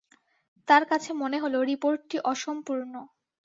তাঁর কাছে মনে হল রিপোর্টটি অসম্পূর্ণ।